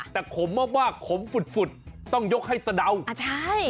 แต่ขมมากมากขมฝุดฝุดต้องยกให้สะเดาอ่าใช่